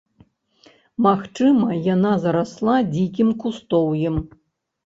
Магчыма, яна зарасла дзікім кустоўем.